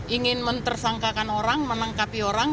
ingin mentersangkakan orang menangkapi orang